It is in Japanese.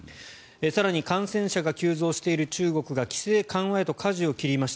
更に感染者が急増している中国が規制緩和へとかじを切りました。